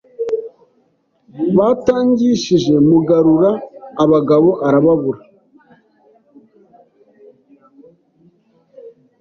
batangishije Mugarura abagabo arababura